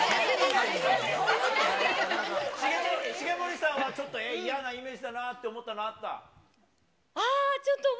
重盛さんは、ちょっと嫌なイメージだなって思ったのあった？